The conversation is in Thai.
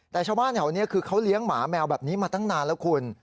แต่ชาวบ้านแถวนี้คือเขาเลี้ยงหมาแมวแบบนี้มาตั้งนานแล้วคุณ